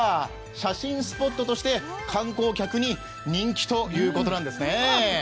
写真スポットとして観光客に人気ということなんですね。